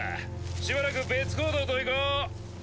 しばらく別行動といこう！